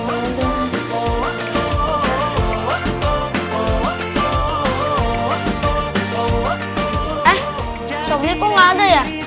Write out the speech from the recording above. eh sobri kok gak ada ya